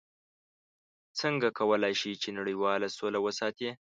څنګه کولی شي چې نړیواله سوله وساتي؟